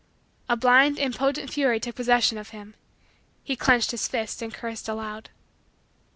A blind, impotent, fury took possession of him. He clenched his fists and cursed aloud.